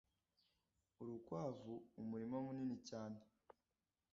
urukwavu umurima munini cyane,